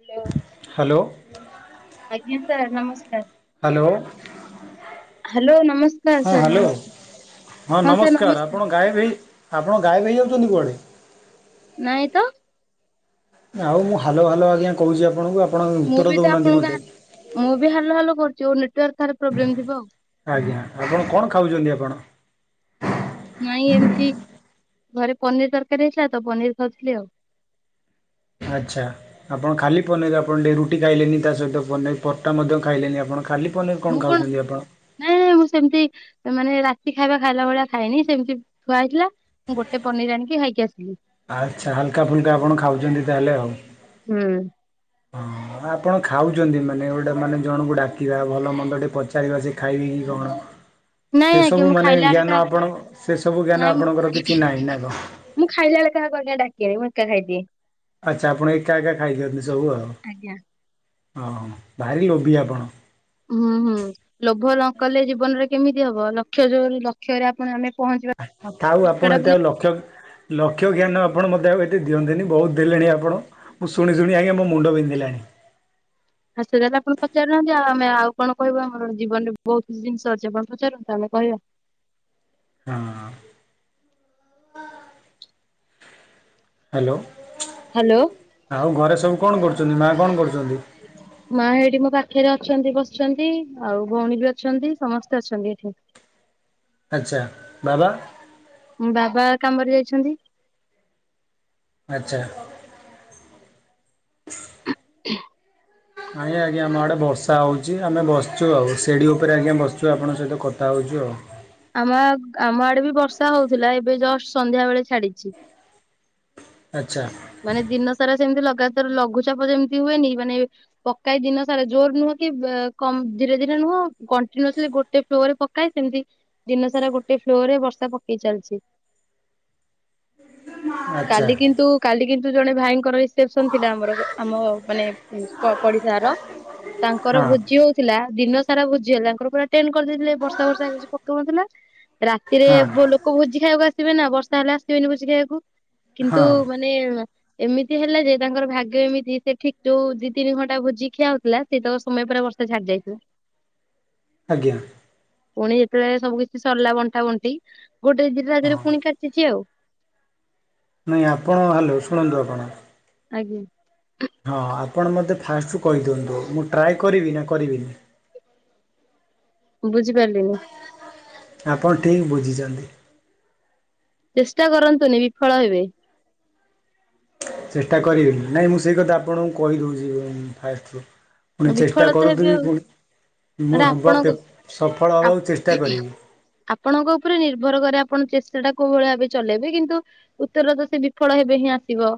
Hello hello. ଆଜ୍ଞା sir ନମସ୍କାର। Hello. Hello ନମସ୍ ହଁ ହ୍ୟାଲୋ ହଁ ନମସ୍କାର ଆପଣ ଗାଏବେ ହେଇ ଆପଣ ଗାଏବେ ହେଇଯାଉଛନ୍ତି କୁଆଡ଼େ? ନାଇଁ ତ। ଆଉ ମୁଁ ହାଲୋ ହାଲୋ ଆଜ୍ଞା କହୁଛି। ଆପଣଙ୍କୁ ଆପଣ ମୁଁ ଉତ୍ତର ବି ତ ଦେଉନାହାନ୍ତି ଆପଣଙ୍କୁ ମୋତେ। ମୁଁ ବି ହାଲୋ ହାଲୋ କରୁଛି ଆଉ ନେଟୱାର୍କ ତାହାଲେ ପ୍ରୋବ୍ଲେମ ଥିବ ଆଉ। ଆଜ୍ଞା ଆପଣ କଣ ଖାଉଚନ୍ତି ଆପଣ? ନାଇଁ ଏମତି ଘରେ ପନିର ତରକାରୀ ହେଇଥିଲା ତ ପନିର ଖାଉଥିଲି ଆଉ। ଆଚ୍ଛା। ଆପଣ ଖାଲି ପନିର ଆପଣ ଟେ ରୁଟି ଖାଇଲେନି ତା ସହିତ ପନିର ପଟା ମଧ୍ୟ ଖାଇଲେନି ଆପଣ। ଖାଲି ପନିର୍ କଣ ଖାଉଚନ୍ତି ଆପଣ। ନାଇଁ [unintelligible] ମୁଁ ସେମିତି ମାନେ ରାତି ଖାଇବା ଖାଇଲା ଭଳିଆ ଖାଇନି ସେମିତି ଥୁଆ ହେଇଥିଲା। ମୁଁ ଗୋଟେ ପନିର ଆଣିକି ଖାଇକି ଆସିଲି। ଆଚ୍ଛା ହାଲୁକା ଫୁଲୁକା ଆପଣ ଖାଉଚନ୍ତି ତାହେଲେ ଆଉ? ହୁଁ। ହଁ। ଆ ଆପଣ ଖାଉଛନ୍ତି ମାନେ ଗୋଟେ ମାନେ ଜଣଙ୍କୁ ଡାକିବା, ଭଲ ମନ୍ଦ ଟେ ପଚାରିବା, ସେ ଖାଇବେ କି କଣ। ନାଇଁ ସେ ଆଜ୍ଞା ସବୁ ମୁଁ ମାନେ ଖାଇଲା ବେଳେ ଜ୍ଞାନ କାହାକୁ ଆପଣ ସେ ସବୁ ନାଇଁ ଜ୍ଞାନ ଆପଣଙ୍କର କିଛି ନାହିଁ ନା କଁ। ମୁଁ ଖାଇଲା ବେଳେ କାହାକୁ ଆଉ ଡକେନି ମୁଁ ଏକା ଖାଇଦିଏ। ଆଚ୍ଛା ଆପଣ ଏକା ଏକା ଖାଇଦିଅନ୍ତ ସବୁ ଆଜ୍ଞା ଆଉ। ହଁ ଭାରି ଲୋବି ଆପଣ। ହୁଁ ହୁଁ ଲୋଭ ନ କଲେ ଜୀବନରେ କେମିତି ହବ ଲକ୍ଷ ଯୋଉ ଲକ୍ଷରେ ଆପଣ ଆମେ ପହଞ୍ଚିବା ଥାଉ ଆପଣ ସେଟା ଏତେ ପୁଣି ଆଉ ଲକ୍ଷ। ଲକ୍ଷ୍ୟ ଜ୍ଞାନ ଆପଣ ମୋତେ ଆଉ ଏତେ ଦିଅନ୍ତିନି ବହୁତ ଦେଲେଣି ଆପଣ। ମୁଁ ଶୁଣି ଶୁଣି ଆଜ୍ଞା ମୋ ମୁଣ୍ଡ ବିନ୍ଧିଲାଣି। ହ ସେ ତାହେଲେ ଆପଣ ପଚାରୁନାହାନ୍ତି ଆଉ ଆମେ ଆଉ କଣ କହିବୁ ଆମ ଜୀବନରେ ବହୁତ କିଛି ଜିନିଷ ଅଛି ଆପଣ ପଚାରୁନ୍ତୁ ଆମେ କହିବା। ହଁ [unintelligible] ହ୍ୟାଲୋ। ହ୍ୟାଲୋ। ଆଉ ଘରେ ସବୁ କଣ କରୁଛନ୍ତି ମା କଣ କରୁଛନ୍ତି? ମା ଏଇଠି ମୋ ପାଖରେ ଅଛନ୍ତି ବସିଛନ୍ତି ଆଉ ଭଉଣୀ ବି ଅଛନ୍ତି ସମସ୍ତେ ଅଛନ୍ତି ଏଠି। ଆଚ୍ଛା ବାବା? ବାବା କାମରେ ଯାଇଛନ୍ତି। ଆଚ୍ଛା। [unintelligible] ଆଜ୍ଞା ଆଜ୍ଞା ଆମ ଆଡ଼େ ବର୍ଷା ହଉଛି ଆମେ ବସିଛୁ ଆଉ ସିଢ଼ି ଉପରେ ଆଜ୍ଞା ବସିଛୁ ଆପଣଙ୍କ ସହିତ କଥା ହଉଛୁ ଆଉ। ଆମ ଆ ଆମ ଆଡେ ବି ବର୍ଷା ହଉଥିଲା ଏବେ ଜଷ୍ଟ ସନ୍ଧ୍ୟା ବେଳେ ଛାଡିଛି। ଆଚ୍ଛା। ମାନେ ଦିନ ସାରା ସେମତି ଲଗାତାର ଲଘୁଚାପ ଯେମିତି ହୁଏନିକି ମାନେ ପକାଇ ଦିନ ସାରା ଜୋର ନୁହଁ କି ବେ କମ ଧୀରେ ଧୀରେ ନୁହଁ କଣ୍ଟିନିଏସ୍ଲି ଗୋଟେ ଫ୍ଲୋରେ ପ କାଇଁ ସେମିତି ଦିନ ସାରା ଗୋଟେ ଫ୍ଲୋରରେ ବର୍ଷା ପକେଇ ଚାଲିଛି। [inaudible] ଆଚ୍ଛା କାଲି କିନ୍ତୁ କାଲି କିନ୍ତୁ ଜଣେ ଭାଇଙ୍କର ରିପ୍ସେସନ୍ ଥିଲା ଆମର ଆମ ମାନେ ପଡ଼ିଶାଘର ର ତାଙ୍କର ହଁ। ଭୋଜି ହଉ ଥିଲା। ଦିନ ସାରା ଭୋଜିିହେଲା ତାଙ୍କର ପୁରା ଟେଣ୍ଡ କରିଦେଇଥିଲେ ବର୍ଷା ପର୍ଷା [unintelligible] ପକଉନଥିଲା। ରାତିରେ ହଁ ଯୋ ଲୋକ ଭୋଜି ଖାଇବାକୁ ଆସିବେ ନା ବର୍ଷା ହେଲେ ଆସିବେନି ଭୋଜି ଖାଇବାକୁ। ହଁ କିନ୍ତୁ ମାନେ ଏମିତି ହେଲା ଯେ ତାଙ୍କର ଭାଗ୍ୟ ଏମିତି ସେ ଠିକ ଦି ତିନି ଘଣ୍ଟା ଭୋଜି ଖିଆହଉଥିଲା। ସେଇତକ ସମୟ ପୁରା ବର୍ଷା ଛାଡି ଯାଇଥାଉ। ଆଜ୍ଞା। ପୁଣି ଯେତେବେଳେ ସବୁ କିଛି ସରିଲା ବଣ୍ଟା ବଣ୍ଟି ଗୋଟେ ଦିଟା ରାତିରେ ହଁ ପୁଣି କାଚିଚି ଆଉ। ନାହିଁ ଆପଣ ହ୍ୟାଲ ଶୁଣନ୍ତୁ ଆପଣ? ଆଜ୍ଞା। ହଁ ଆପଣ ମୋତେ ଫାଷ୍ଟରୁ କହିଦିଅନ୍ତୁ ମୁଁ ଟ୍ରାଏ କରିବି ନା କରିବିନି? ବୁଝିପାରିଲିନି? ଆପଣ ଠିକ୍ ବୁଝିଛନ୍ତି‌ ଚେଷ୍ଟା କରନ୍ତୁନି ବିଫଳ ହେବେ। ଚେଷ୍ଟା କରିବିନି, ନାଇଁ ମୁଁ ସେଇ କଥା ଆପଣଙ୍କୁ କହିଦଉଛି ଉଁ ଫାଷ୍ଟରୁ। ପୁଣି ଚେଷ୍ଟା ବିଫଳ ତ ହେବେ କରୁଥୁବୁ ଆଉ ପୁଣି ମୁଁ ଏଟା ହବ ଆପଣଙ୍କ ପେପ୍ ସଫଳ ହବାକୁ ଚେଷ୍ଟା କରିବୁ। ଆପଣଙ୍କ ଉପରେ ନିର୍ଭର କରେ ଆପଣ ଚେଷ୍ଟାଟା କୋଉ ଭଳି ଭାବେ ଚଲେଇବେ କିନ୍ତୁ ଉତ୍ତର ତ ସେ ବିଫଳ ହେବେ ହିଁ ଆସିବ।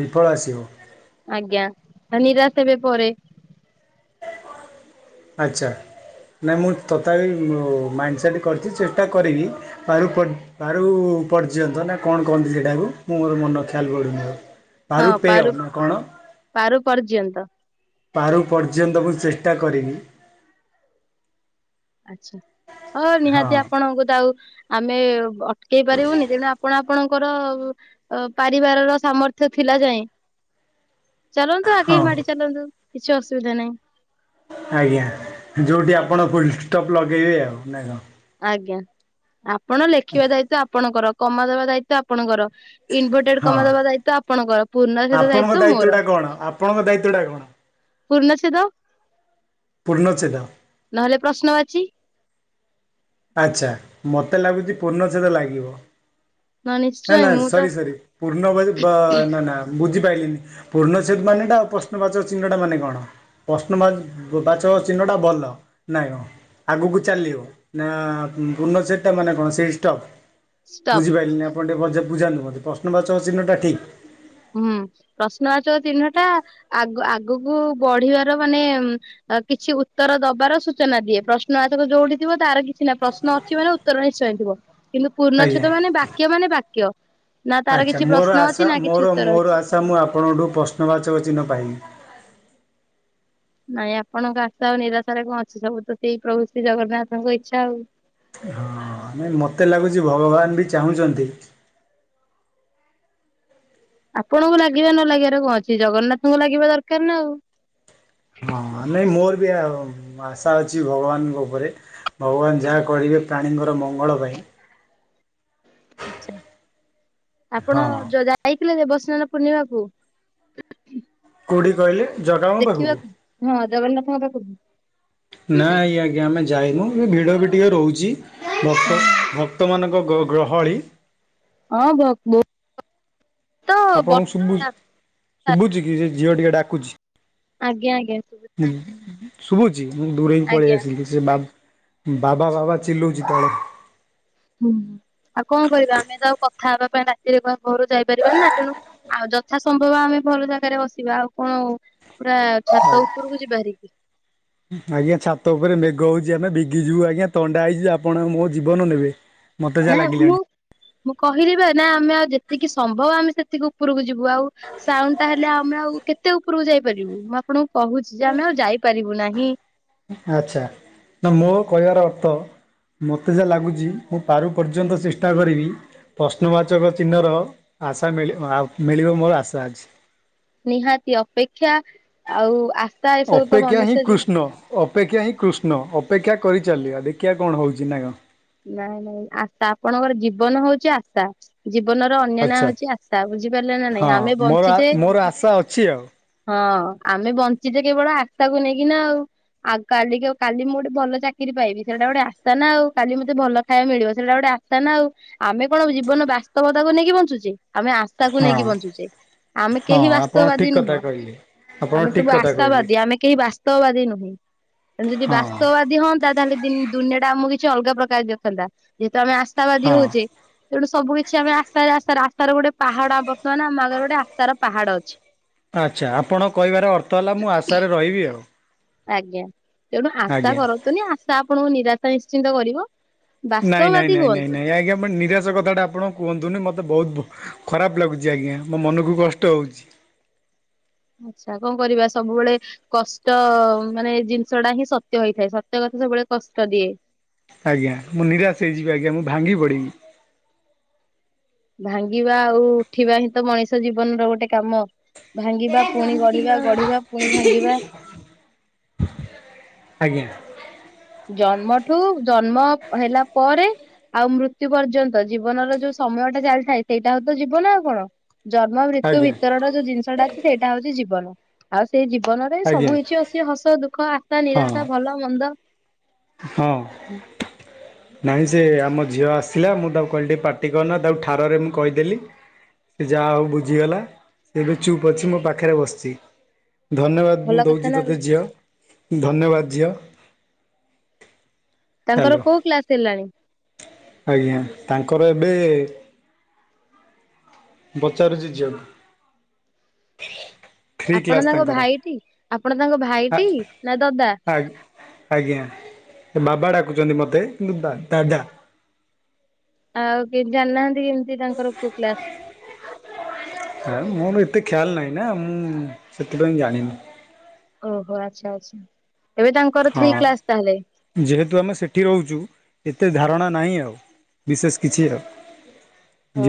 ବିଫଳ ଆସିବ। ଆଜ୍ଞା। ନିରାଶ ହେବେ ପରେ। ଆଚ୍ଛା। ନାଇଁ ମୁଁ ତଥାପି ମାଇଣ୍ଡ୍ ସେଟ୍ କରିଛି ଚେଷ୍ଟା କରିବି। ପାରୁ ପର୍ ପାରୁ ପର୍ଯ୍ୟନ୍ତ ନା କଣ କହନ୍ତି ସେଇଟାକୁ ମୋର ମନ ଖେୟାଲ ପଡ଼ୁନି ମୋର। ହଁ ପାରୁ, ପାରୁ ପର୍ଯ୍ୟନ୍ତ। ପାରୁ ପର୍ଯ୍ୟନ୍ତ ମୁଁ ଚେଷ୍ଟା କରିିବି। ଆଚ୍ଛା, ହଁ ନିହାତି ଆପଣଙ୍କୁ ତ ଆଉ ଆମେ ଅଟକେଇ ପାରିବୁନି, ତେଣୁ ଆପଣ ଆପଣଙ୍କର ପାରିବାରର ସାମର୍ଥ୍ୟ ଥିଲା ଯାଏଁ ଚାଲନ୍ତୁ, ହଁ ଆଗେଇ ମାଡି ଚାଲନ୍ତୁ କିଛି ଅସୁବିଧା ନାହିଁ। ଆଜ୍ଞା, ଯୋଉଠି ଆପଣ ଫୁଲଷ୍ଟପ୍ ଲଗେଇବେ ଆଉ ନା କଣ? ଆଜ୍ଞା, ଆପଣ ଲେଖିବା ଦାୟିତ୍ଵ ଆପଣଙ୍କର କମା ଦବା ଦାୟିତ୍ଵ ଆପଣଙ୍କର। ଇନଭଟେଡ ହଁ କମା ଦବା ଦାୟିତ୍ୱ ଆପଣଙ୍କର, ପୂର୍ଣ୍ଣଚ୍ଛେଦ ଆପଣଙ୍କ ଦାୟିତ୍ଵ ମୋର। ଦାୟିତ୍ୱଟା କ'ଣ ଆପଣଙ୍କ ଦାୟିତ୍ୱଟା କ'ଣ ପୂର୍ଣ୍ଣଚ୍ଛେଦ। ପୂର୍ଣ୍ଣଚ୍ଛେଦ। ନହେଲେ ପ୍ରଶ୍ନବାଚୀ। ଆଚ୍ଛା ମୋତେ ଲାଗୁଛି ପୂର୍ଣ୍ଣଚ୍ଛେଦ ଲାଗିବ। ନ ନିଶ୍ଚୟ ନା ନା ମୁଁ ତ ସରି ସରି। ପୂର୍ଣ୍ଣ [unintelligible] ନା ନା ବୁଝିପାରିଲିନି। ପୂର୍ଣ୍ଣଚ୍ଛେଦ ମାନେଟା ଆଉ ପ୍ରଶ୍ନବାଚକ ଚିହ୍ନଟା ମାନେ କଣ? ପ୍ରଶ୍ନବା ବାଚକ ଚିହ୍ନଟା ଭଲ, ନାଇଁ ମ ଆଗକୁ ଚାଲିବ। ନା ପୂର୍ଣ୍ଣଚ୍ଛେଦଟା ମାନେ କଣ ସେଇ ଷ୍ଟପ୍? ଷ୍ଟପ ବୁଝିପାଇଲିନି ମ। ଆପଣ ଟିକେ ଭଲସେ ବୁଝାନ୍ତୁ ମତେ ପ୍ରଶ୍ନବାଚକ ଚିହ୍ନଟା ଠିକ୍? ହୁଁ, ପ୍ରଶ୍ନବାଚକ ଚିହ୍ନଟା ଆଗ ଆଗକୁ ବଢିବାର ମାନେ କିଛି ଉତ୍ତର ଦବାର ସୂଚନା ଦିଏ, ପ୍ରଶ୍ନବାଚକ ଯୋଉଠି ଥିବ ତାର କିଛି ନା ପ୍ରଶ୍ନ ଅଛି ମାନେ ଉ ଉତ୍ତର ନିଶ୍ଚୟ ଥିବ, କିନ୍ତୁ ଆଜ୍ଞା। ପୂର୍ଣ୍ଣଚ୍ଛେଦ ମାନେ ବାକ୍ୟ ମାନେ ବାକ୍ୟ। ନା ତାର ଆଚ୍ଛା କିଛି ମୋର ପ୍ରଶ୍ନ ଆଶା ଅଛି ନା କିଛି ମୋର ଉ ମୋର ଆଶା ମୁଁ ଆପଣଙ୍କଠୁ ପ୍ରଶ୍ନବାଚକ ଚିହ୍ନ ପାଇବି। ନାଇଁ ଆପଣଙ୍କ ଆଶା ଆଉ ନିରାଶାରେ କଣ ଅଛି ସବୁ ତ ସେଇ ପ୍ରଭୁ ଶ୍ରୀ ଜଗନ୍ନାଥଙ୍କ ଇଚ୍ଛା ଆଉ। ହଁଅଅ ନାଇଁ ମୋତେ ଲାଗୁଛି ଭଗବାନ ବି ଚାହୁଁଚନ୍ତି। ଆପଣଙ୍କୁ ଲାଗିବା ନ ଲାଗିବାର କଣ ଅଛି ଜଗନ୍ନାଥଙ୍କୁ ଲାଗିବା ଦରକାର ନା ଆଉ। ହଁଅ ନାଇଁ ମୋର ବି ଆଶା ଅଛି ଭଗବାନଙ୍କ ଉପରେ। ଭଗବାନ ଯାହା କହିବେ ପ୍ରାଣୀଙ୍କର ମଙ୍ଗଳ ପାଇଁ। ଆଚ୍ଛା, ଆପଣ ହଁ ଯା ଯାଇଥିଲେ ଦେବସ୍ନାନ ପୂର୍ଣ୍ଣିମାକୁ? କୋଉଠି କହିଲେ? ଜଗାଙ୍କ ପାଖକୁ? ଦେଖିବାକୁ ହଁ ଜଗନ୍ନାଥଙ୍କ ପାଖକୁ। ନା ଏଇ ଆଜ୍ଞ ଜ୍ଞା ଆମେ ଯାଇନୁ ଏ ଭିଡ଼ ବି ଟିକେ ରହୁଚି ଭକ୍ତ ଭକ୍ତମାନଙ୍କ ଗ ଗ୍ରହଳି ହଁ ଭ ବହୁ ଆପଣଙ୍କୁ ଶୁଭୁ ଶୁଭୁଚି କି ସେ ଝିଅ ଟିକେ ଡାକୁଚି। ଆଜ୍ଞା ଆଜ୍ଞା ସୁବୁଚି ଶୁବୁ ଶୁଭୁଚି ମୁଁ ଦୂରେଇ ପଳେଇ ଆସିଲି ସେ ବା ବାବା ଚିଲଉଚି ତ ହୁଁ ଆଉ କଂ କରିବା ଆମେ ତ ଆଉ କଥା ହବା ପାଇଁ ରାତିରେ ଘ ଘରୁ ଯାଇପାରିବାନି ନା ତେଣୁ ଆଉ ଯଥା ସମ୍ଭବ ଆମେ ଭଲ ଜାଗାରେ ବସିବା ଆଉ କଣ ହ ପୁରା ଛାତ ଉପରକୁ ଯିବା ହାରିକି। ଆଜ୍ଞା ଛାତ ଉପରେ ମେଘ ହଉଛି ଆମେ ଭିଗିଯିବୁ ଆଜ୍ଞା ଥଣ୍ଡା ହେଇଜି ଆପଣ ମୋ ଜୀବନ ନେବେ। ମତେ ଯାହା ନାଇଁ ଯେ ଲାଗିଲାଣି। ମୁଁ ମୁଁ କହିଲିବା ନା ଆମେ ଆଉ ଯେତିକି ସମ୍ଭବ ଆମେ ସେତିକି ଉପରକୁ ଯି ବୁ ଆଉ ସାଉଣ୍ଡ ଟା ହେଲେ ଆମେ ଆଉ କେ ତେ ଉପରକୁ ଯାଇପାରିବୁ ମୁଁ ଆପଣଙ୍କୁ କହୁଛି ଯେ ଆମେ ଆଉ ଯାଇପାରିବୁ ନାହିଁ। ଆଛା ତ ମୋ କହିବାର ଅତ୍ତ ମୋତେ ଯା ଲାଗୁଛି ମୁଁ ପାରୁ ପର୍ଯ୍ୟନ୍ତ ଚେଷ୍ଟା କରିବି ପ୍ରଶ୍ନବାଚକ ଚିହ୍ନର ଆଶା ମିଳ ଆ ମିଳିବ ମୋର ଆଶା ଅଛି। ନିହାତି ଅପେକ୍ଷା ଆଉ ଆ ଅପେକ୍ଷା ହିଁ କୃଷ୍ଣ। ଅପେକ୍ଷା ହିଁ କୃଷ୍ଣ ଅପେକ୍ଷା କରିଚାଲିବା ଦେଖିଆ କଣ ହଉଚି ନା କଣ। ନାଇଁ ନାଇଁ ଆଶ୍ ତା ଆପଣଙ୍କର ଜୀବନ ହଉଚି ଆସ୍ତା। ଜୀବନର ଅନ୍ୟ ନାଁ ଆଚ୍ଛା ହଉଚି ଆସ୍ତା ଆଉ ବୁଝିପାରିଲେ ନା ନାଇଁ ହଁ ଆମେ ମୋର ବଞ୍ଚିଚେ ମୋର ଆଶା ଅଛି ଆଉ ହଁ ଆମେ ବଞ୍ଚିଛେ କେବଳ ଆଶ୍ତା କୁ ନେଇକିନା ଆଉ। ଆଉ କାଲି କି ଆଉ କାଲି ମୁଁ ଗୋଟେ ଭଲ ଚାକିରି ପାଇବି ସେଟା ଗୋଟେ ଆଶ୍ତା ନା ଆଉ। କାଲି ମତେ ଭଲ ଖାଇବା ମିଳିବ ସେଇଟା ଗୋଟେ ଆଶ୍ତା ନା ଆଉ। ଆମେ କଣ ଜୀବନ ବାସ୍ତବତାକୁ ନେଇକି ବଞ୍ଚୁଚେ ଆମେ ଆଶ୍ ତା କୁ ହଁ ନେଇକି ବଞ୍ଚୁଛେ ଆମେ ହଁ କେହି ଆପଣ ବାସ୍ତବାଦୀ ଠିକ୍ କଥା ନୁହଁ। କହିଲେ ଆପଣ ଆମେ ଠିକ୍ ସବୁ କଥା କହିଲେ ଆଶାବାଦୀ ଆମେ କେହି ବାସ୍ତବାଦୀ ନୁହେଁ ତେଣୁ ଯଦି ହଁ ବାସ୍ତବାଦୀ ହୁଅନ ନ୍ତା ତାହେଲେ ଦି ଦୁନିଆ ଟା ଆମକୁ କିଛି ଅଲଗା ପ୍ରକାର ଦେଖନ୍ତା ଯେହେତୁ ଆମେ ଆସ୍ଥାବାଦୀ ହଁ ହଉଚେ ତେଣୁ ସବୁ କିଛି ଆମେ ଆଶା ରେ ଆଶାରେ ଆଶାର ଗୋଟେ ପାହାଡ ଆମ ପାକାନ ଆମ ଆଗରେ ଗୋଟେ ଆଶାର ପାହାଡ ଅଛି। ଆଚ୍ଛା ଆପଣ କହିବାର ଅର୍ଥ ହେଲା ମୁଁ ଆଶାରେ ରହିବି ଆଉ। ଆଜ୍ଞା ତେଣୁ ଆଶା ଆଜ୍ଞା କରନ୍ତୁନି ଆଶା ଆପଣଙ୍କୁ ନିରାଶା ନିଶ୍ଚିନ୍ତ କରିବ। ନାଇଁ ନାଇଁ ବାସ୍ତବବାଦୀ ନାଇଁ ନାଇଁ ହୁଅନ୍ତୁ। ନାଇଁ ଆଜ୍ଞା ଆପଣ ନିରାଶ କଥାଟା ଆ ଆପଣ କୁହନ୍ତୁନି ମୋତେ ବହୁତ ବ ଖରାପ ଲାଗୁଛି ଆଜ୍ଞା ମୋ ମନକୁ କଷ୍ଟ ହୋଉଚି। ଆଚ୍ଛା କ କରିବା ସବୁବେଳେ କଷ୍ଟ ମାନେ ଏଇ ଜିନିଷ ଟା ହିଁ ସତ୍ୟ ହେଇଥାଏ ସତ୍ୟ କଥା ସବୁବେଳେ କଷ୍ଟ ଦିଏ। ଆଜ୍ଞା ମୁଁ ନିରାଶ ହୋଇଯିବି ଆଜ୍ଞା ମୁଁ ଭାଙ୍ଗି ପଡ଼ବି। ଭାଙ୍ଗିବା ଆଉ ଉଠିବା ହିଁ ତ ମଣିଷ ଜୀବନର ଗୋଟେ କାମ। ଭାଙ୍ଗିବା ପୁଣି ଗଢିବା ଗଢିବା ପୁଣି ଭାଙ୍ଗିବା ଆଜ୍ଞା। ଜନ୍ମଠୁ ଜନ୍ମ ହେଲା ପରେ ଆଉ ମୃତ୍ୟୁ ପର୍ଯ୍ୟନ୍ତ ଜୀବନର ଯୋଉ ସମୟ ଟା ଚାଲିଥାଏ ସେଇଟା ହଉ ତ ଜୀବନ ଆଉ କଣ। ଜନ୍ମ ମୃତ୍ୟୁ ଆଜ୍ଞା ଭିତରର ଯୋଉ ଜିନିଷଟା ଅଛି ସେଇଟା ହଉଛି ଜୀବନ। ଆଉ ସେଇ ଜୀବନରେ ଆଜ୍ଞା ସବୁ କିଛି ଅଛି ହସ ଦୁଃଖ ଆଶା ହଁ ନିରାଶା ଭଲ ମନ୍ଦ ହଁ। ନାଇଁ ସେ ଆମ ଝିଅ ଆସିଲା ମୁଁ ତାକୁ କହିଲି ଟିକେ ପାଟି କରନା ତାକୁ ଠାରରେ ମୁଁ କହିଦେଲି। ସେ ଯାହା ହଉ ବୁଝିଗଲା ସେ ଏବେ ଚୁପ୍ ଅଛି ମୋ ପାଖରେ ବସିଛି। ଧନ୍ୟବାଦ ମୁଁ ଭଲ କଥା ଦଉଛି ନା ଆଉ। ତୋତେ ଝିଅ ଧନ୍ୟବାଦ ଝିଅ। ତାଙ୍କର ହ୍ୟାଲୋ କୋଉ କ୍ଲାସ୍ ହେଲାଣି? ଆଜ୍ଞା ତାଙ୍କର ଏବେ ପଚାରୁଛି ଝିଅକୁ ଥ୍ରୀ। ଆପଣ ତାଙ୍କ ଭାଇଟି ଆପଣ ତାଙ୍କ ଭାଇଟି ନା ଦଦା? ଆ ଆଜ୍ଞା ବାବା ଡାକୁଛନ୍ତି ମତେ କିନ୍ତୁ ଦା ଦାଦା। ଆଉ କେ ଜାଣିନାହାନ୍ତି କେମିତି ତାଙ୍କର କୋଉ କ୍ଲାସ? ହେ ମୋର ଏତେ ଖ୍ୟାଲ୍ ନାହିଁ ନା ମୁଁ ସେଥିପାଇଁ ଜାଣିନି। ଓହୋ ଆଚ୍ଛା ଆଚ୍ଛା ଏବେ ତାଙ୍କର ଥ୍ରୀ ହଁ। କ୍ଲାସ୍ ତାହାଲେ? ଯେହେତୁ ଆମେ ସେଠି ରହୁଛୁ ଏତେ ଧାରଣା ନାହିଁ ଆଉ। ବିଶେଷ କିଛି ଆଉ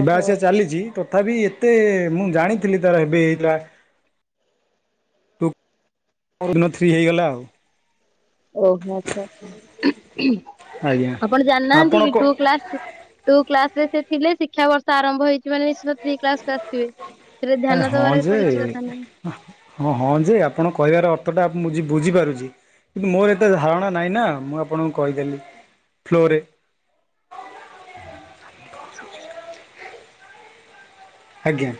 ଯିବା ଆସିବା ଚାଲିଛି ପ ତଥାବିି ଏତେ ମୁଁ ଜାଣିଥିଲି ତାର ଏବେ ହେଇଥିଲା। ଟୁ କୋଉଦିନ ଥ୍ରୀ ହେଇଗଲା ଆଉ। ଓହୋ ଆଚ୍ଛା ଆଚ୍ଛା ଉଁ ଆଜ୍ଞା ଆପଣ ଜାଣି ନାହାଁନ୍ତି ଆପଣ କି କ ଟୁ କ୍ଲାସ ଟୁ କ୍ଲାସ ରେ ସେ ଥିଲେ ଶିକ୍ଷା ବର୍ଷ ଆରମ୍ଭ ହେଇଛି ମାନେ ନିଶ୍ଚିତ ଥ୍ରୀ କ୍ଲାସକୁୁ ଆସିଥିବେ। ସେଥିରେ ଧ୍ୟାନ ହଁ ଦବାର ତ କିଛି ଯେ କଥା ନାହିଁ। ହଁ ହଁ ଯେ ଆପଣ କହିବାର ଅର୍ଥ ଟା ମୁଁ ବୁଝି ବୁଝିପାରୁଛି। କିନ୍ତୁ ମୋର ଏତେ ଧାରଣା ନାହିଁ ନା ମୁଁ ଆପଣଙ୍କୁ କହିଦେଲି ଫ୍ଲୋରେ। [unintelligible] ଆଜ୍ଞା।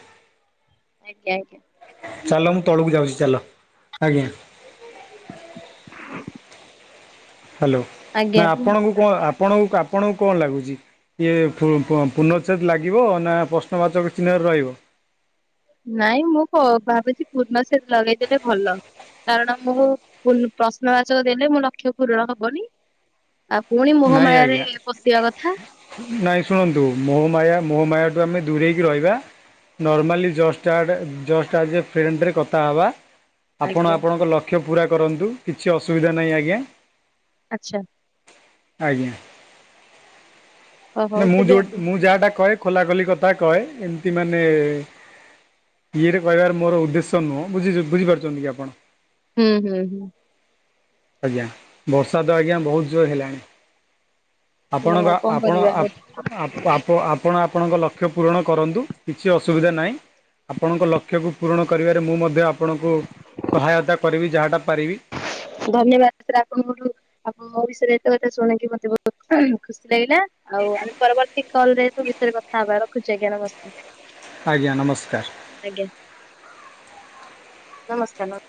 ଆଜ୍ଞା ଆଜ୍ଞା। ଚାଲ ମୁଁ ତଳକୁ ଯାଉଛି ଚାଲ ଆଜ୍ଞା। ହାଲୋ ଆଜ୍ଞା ନା କୁହନ୍ତୁ ଆପଣଙ୍କୁ କଣ ଆପଣଙ୍କୁ ଆପଣଙ୍କୁ କଣ ଲାଗୁଛି? ଇଏ ପୁ ପୁ ପୁନଚ୍ଛେଦ ଲାଗିବ ନା ପ୍ରଶ୍ନବାଚକ ଚିହ୍ନରେ ରହିବ? ନାଇଁ ମୁଁ କ ଭାବୁଛି ପୂର୍ଣ୍ଣଛେଦ ଲଗେଇଦେଲେ ଭଲ। କାରଣ ମୁଁ ପୁନ ପ୍ରଶ୍ନବାଚକ ଦେଲେ ମୋ ଲକ୍ଷ୍ୟ ପୂରଣ ହବନି ଆଉ ପୁଣି ନାଇଁ ମୋହମାୟାରେ ଆଜ୍ଞା ପଶିବା କଥା। ନାଇଁ ଶୁଣନ୍ତୁ ମୋହମାୟା ମୋହମାୟାଠୁ ଆମେ ଦୂରେଇକି ରହିବା। ନର୍ମାଲି ଜଷ୍ଟ ଆଡେ ଜଷ୍ଟ ଆଗେ ଫ୍ରେଣ୍ଡରେ କଥା ହବା। ଆପଣ ଆଜ୍ଞା ଆପଣଙ୍କ ଲକ୍ଷ୍ୟ ପୂରା କରନ୍ତୁ କିଛି ଅସୁବିଧା ନାହିଁ ଆଜ୍ଞା। ଆଚ୍ଛା। ଆଜ୍ଞା। ଓ ହଉ ନା ମୁଁ ତେବେ ଯୋଉ ମୁଁ ଯାହାଟା କହେ ଖୋଲା ଖୋଲି କଥା କହେ ଏମତି ମାନେ ଇଏରେ କହିବାର ମୋର ଉଦ୍ଦେଶ୍ୟ ନୁହଁ ବୁଝିଛି ବୁଝିପାରୁଛନ୍ତି କି ଆପଣ? ହୁଁ, ହୁଁ, ହୁଁ,। ଆଜ୍ଞା ବର୍ଷା ତ ଆଜ୍ଞା ବହୁତ୍ ଜୋର ହେଲାଣି। ଆପଣଙ୍କ ହଁ କଣ ଆପଣ କରିବା ଆଉ ଆପ ଆପ ଆପ ଆପ ଆପଣ ଆପଣଙ୍କ ଲକ୍ଷ୍ୟ ପୂରଣ କରନ୍ତୁ କିଛି ଅସୁବିଧା ନାହିଁ। ଆପଣଙ୍କ ଲକ୍ଷ୍ୟକୁ ପୂରଣ କରିବାରେ ମୁଁ ମଧ୍ୟ ଆପଣଙ୍କୁ ସହାୟତା କରିବି ଯାହାଟା ପାରିବି। ଧନ୍ୟବାଦ ସାର୍ ଆପଣଙ୍କ ଠୁ ଆପଣ ମୋ ବିଷୟରେ ଏତେ କଥା ଶୁଣିକି ମତେ ବହୁତ ହୁଁ ଖୁସି ଲାଗିଲା। ଆଉ ଆମେ ପରବର୍ତ୍ତୀ କଲ୍ ରେ ସବୁ ବିଷୟରେ କଥା ହବା ରଖୁଛି ଆଜ୍ଞା ନମସ୍କାର। ଆଜ୍ଞା ନମସ୍କାର। ଆଜ୍ଞା ନମସ୍କାର ନମ